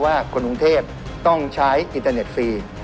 คนกรุงเทพต้องใช้อินเทอร์เน็ตฟรี